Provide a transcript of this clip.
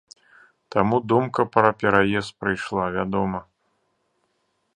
Таму думка пра пераезд прыйшла, вядома.